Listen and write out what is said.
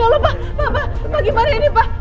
ya allah papa bagaimana ini papa